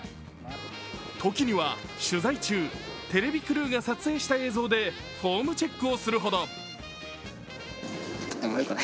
時には取材中、テレビクルーが撮影した映像でフォームチェックをするほど。